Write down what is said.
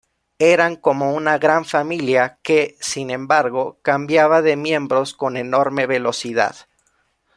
Eran como una gran familia que, sin embargo, cambiaba de miembros con enorme velocidad.